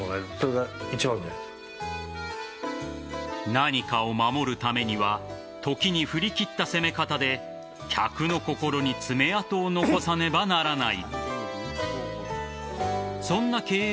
何かを守るためには時に振り切った攻め方で客の心に爪痕を残さねばならない。